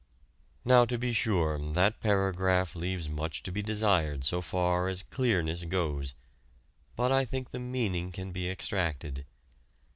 Now to be sure that paragraph leaves much to be desired so far as clearness goes. But I think the meaning can be extracted.